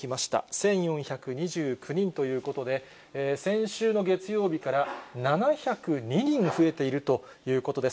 １４２９人ということで、先週の月曜日から７０２人増えているということです。